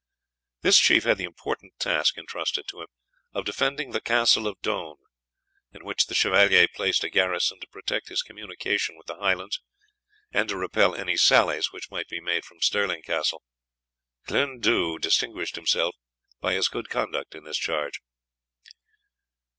This Chief had the important task intrusted to him of defending the Castle of Doune, in which the Chevalier placed a garrison to protect his communication with the Highlands, and to repel any sallies which might be made from Stirling Castle Ghlune Dhu distinguished himself by his good conduct in this charge.